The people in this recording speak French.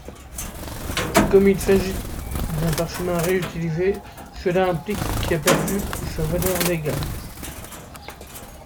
Comme il s'agit d'un parchemin réutilisé, cela implique qu'il a perdu sa valeur légale.